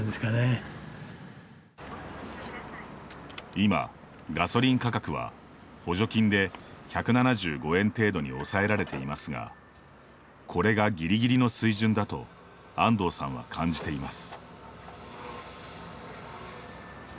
今、ガソリン価格は補助金で、１７５円程度に抑えられていますがこれが、ぎりぎりの水準だと安東さんは感じています。